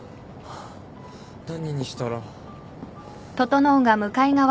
何にしたら。